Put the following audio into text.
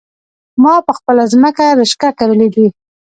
ما په خپله ځمکه رشکه کرلي دي